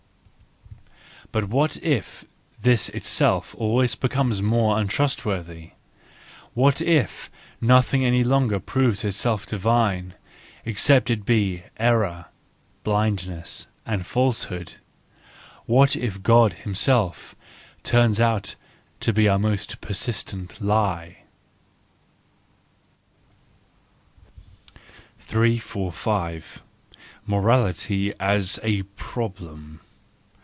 ... But what if 280 THE JOYFUL WISDOM, V this itself always becomes more untrustworthy, what if nothing any longer proves itself divine, except it be error, blindness, and falsehood ;—what if God himself turns out to be our most persistent lie ?— 345* Morality as a Problem